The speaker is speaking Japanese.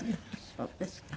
そうですか。